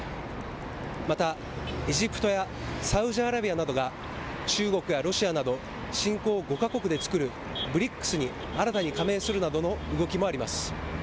また、エジプトやサウジアラビアなどが中国やロシアなど、新興５か国で作るＢＲＩＣＳに新たに加盟するなどの動きもあります。